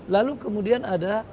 lalu kemudian ada